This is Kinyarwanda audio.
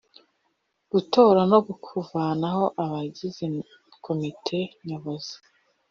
Gutora no kuvanaho abagize komite nyobozi